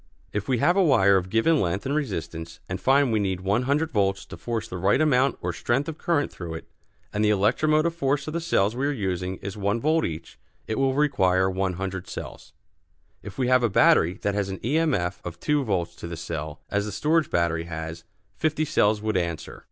If we have a wire of given length and resistance and find we need 100 volts to force the right amount or strength of current through it, and the electromotive force of the cells we are using is one volt each, it will require 100 cells. If we have a battery that has an E. M. F. of two volts to the cell, as the storage battery has, fifty cells would answer.